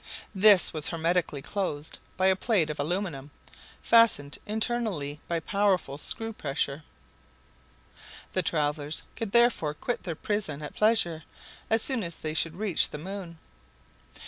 This was hermetically closed by a plate of aluminum, fastened internally by powerful screw pressure. The travelers could therefore quit their prison at pleasure, as soon as they should reach the moon.